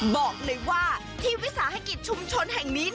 บอกเลยว่าที่วิสาหกิจชุมชนแห่งนี้